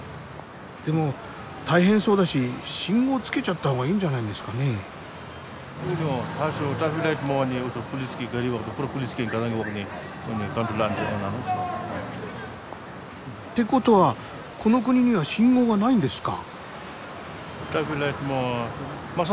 でも大変そうだし信号つけちゃった方がいいんじゃないですかね？って事はこの国には信号がないんですか？